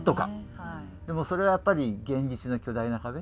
でもそれはやっぱり現実の巨大な壁。